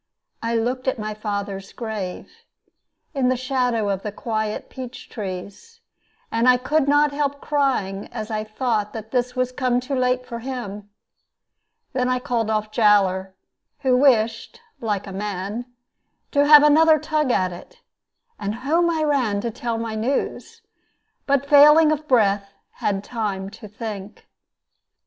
I looked at my father's grave, in the shadow of the quiet peach trees, and I could not help crying as I thought that this was come too late for him. Then I called off Jowler, who wished (like a man) to have another tug at it; and home I ran to tell my news, but failing of breath, had time to think.